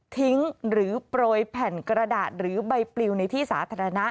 หรือโปรยแผ่นกระดาษหรือใบปลิวในที่สาธารณะ